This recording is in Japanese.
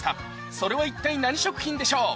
それは一体何食品でしょう？